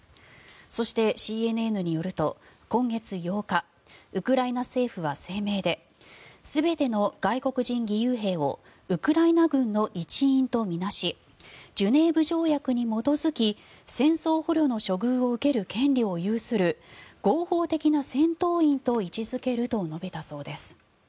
そして、ＣＮＮによると今月８日ウクライナ政府は声明で全ての外国人義勇兵をウクライナ軍の一員と見なしジュネーブ条約に基づき戦争捕虜の処遇を受ける権利を有する合法的な戦闘員と位置付けると述べたそうです。